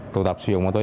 tụ tập sử dụng ma túy